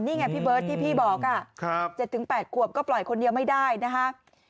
นี่ไงพี่เบิ้ลที่พี่บอกอ่ะครับเจ็ดถึงแปดกว่าก็ปล่อยคนเดียวไม่ได้นะคะ